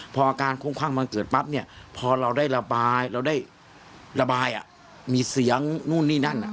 พออาการคุ่มข้างมันเกิดปั๊บพอเราได้ระบายระบายมีเสียงนู่นนาน